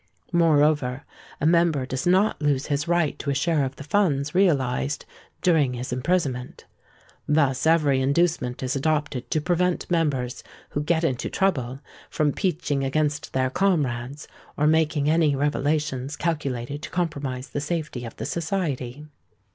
Moreover, a member does not lose his right to a share of the funds realised during his imprisonment. Thus every inducement is adopted to prevent members who "get into trouble" from peaching against their comrades, or making any revelations calculated to compromise the safety of the society.